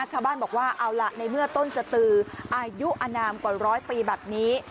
ชาวบ้านบอกว่าเอาล่ะในเมื่อต้นสตืออายุอนามกว่าร้อยปีแบบนี้